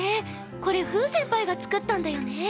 これ風先輩が作ったんだよね。